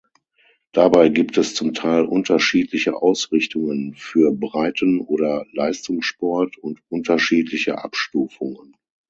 Dabei gibt es zum Teil unterschiedliche Ausrichtungen für Breiten- oder Leistungssport und unterschiedliche Abstufungen.